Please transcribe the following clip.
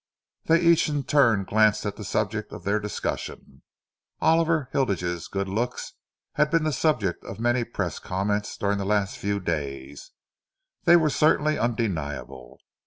They each in turn glanced at the subject of their discussion. Oliver Hilditch's good looks had been the subject of many press comments during the last few days. They were certainly undeniable.